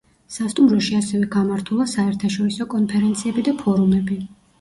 სასტუმროში ასევე გამართულა საერთაშორისო კონფერენციები და ფორუმები.